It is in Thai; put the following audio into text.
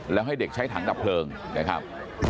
แล้วให้เด็กใช้ถังดับเพลิงนะครับ